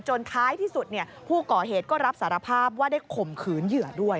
ท้ายที่สุดผู้ก่อเหตุก็รับสารภาพว่าได้ข่มขืนเหยื่อด้วย